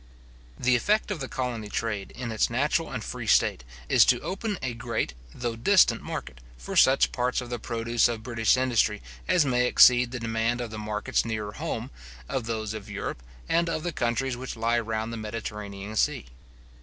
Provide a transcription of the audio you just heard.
The effect of the colony trade, in its natural and free state, is to open a great though distant market, for such parts of the produce of British industry as may exceed the demand of the markets nearer home, of those of Europe, and of the countries which lie round the Mediterranean sea.